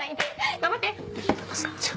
頑張って！